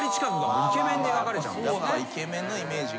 イケメンのイメージが。